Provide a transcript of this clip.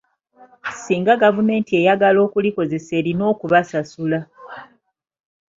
Singa gavumenti eyagala okulikozesa erina okubasasula.